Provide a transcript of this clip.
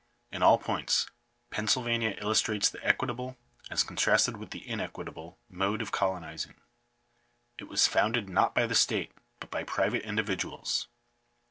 In all points Pennsylvania illustrates the equitable, as contrasted with the inequitable, mode of colonizing. It was founded not by the state, but by private individuals.